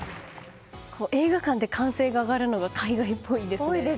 映画館で歓声が上がるのが海外っぽいですよね。